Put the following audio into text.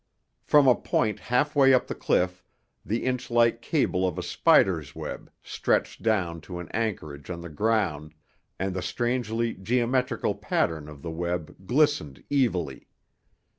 From a point halfway up the cliff the inch thick cable of a spider's web stretched down to an anchorage on the ground, and the strangely geometrical pattern of the web glistened evilly.